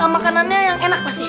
makanannya yang enak pasti